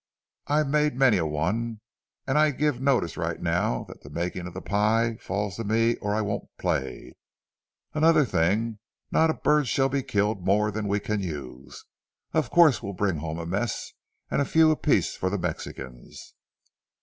I've made many a one, and I give notice right now that the making of the pie falls to me or I won't play. And another thing, not a bird shall be killed more than we can use. Of course we'll bring home a mess, and a few apiece for the Mexicans."